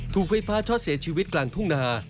ถูกไฟฟ้าช็อตเสียชีวิตกลางทุ่งนา